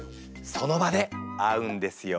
その場で会うんですよ。